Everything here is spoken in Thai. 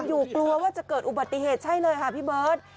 คนอยู่กลัวว่าจะเกิดอุบัติเทศใช่เลยค่ะพี่เบิศ